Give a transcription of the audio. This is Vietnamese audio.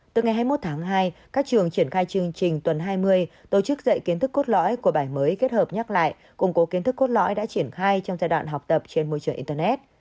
từ ngày hai mươi một tháng hai các trường triển khai chương trình tuần hai mươi tổ chức dạy kiến thức cốt lõi của bài mới kết hợp nhắc lại củng cố kiến thức cốt lõi đã triển khai trong giai đoạn học tập trên môi trường internet